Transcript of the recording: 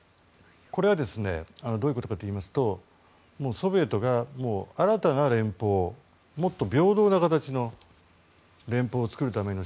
これはどういうことかといいますとソビエトが新たな連邦をもっと平等な形の連邦を作るための